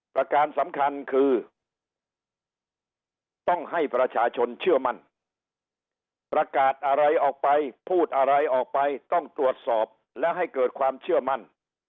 การสำคัญคือต้องให้ประชาชนเชื่อมั่นประกาศอะไรออกไปพูดอะไรออกไปต้องตรวจสอบและให้เกิดความเชื่อมั่น